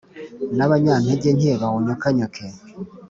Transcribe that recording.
n’abanyantegenke bawunyukanyuke.»